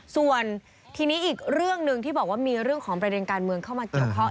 ส่วนทีนี้อีกเรื่องหนึ่งที่บอกว่ามีเรื่องของประเด็นการเมืองเข้ามาเกี่ยวข้อง